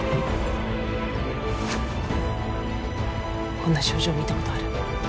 こんな症状見たことある？